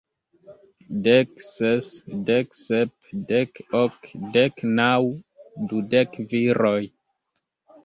Dek ses, dek sep, dek ok, dek naŭ, dudek viroj!